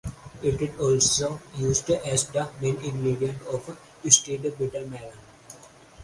It is also used as the main ingredient of "stewed bitter melon".